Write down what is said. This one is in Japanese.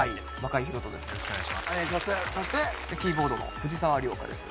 キーボードの藤澤涼架です。